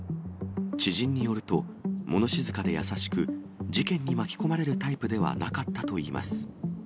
知人によると、もの静かで優しく、事件に巻き込まれるタイプではなかったといいます。